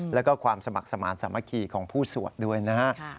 แล้วก็ความสมัครสมาธิสามัคคีของผู้สวดด้วยนะฮะ